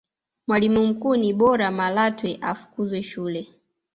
mwalimu mkuu ni bora malatwe afukuze shule